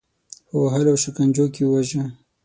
په وهلو او شکنجو کې وواژه.